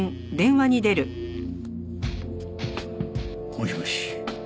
もしもし。